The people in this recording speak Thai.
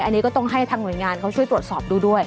อันนี้ก็ต้องให้ทางหน่วยงานเขาช่วยตรวจสอบดูด้วย